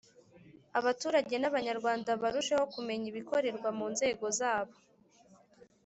abaturage n abanyamakuru barusheho kumenya ibikorerwa mu nzego zabo